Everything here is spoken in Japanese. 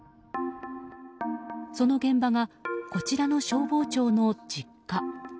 その現場がこちらの消防長の実家。